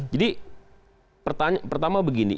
jadi pertama begini